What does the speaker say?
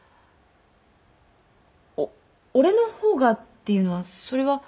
おっ俺の方がっていうのはそれは。